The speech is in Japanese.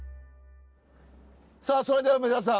さあそれでは梅沢さん